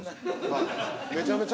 めちゃめちゃ。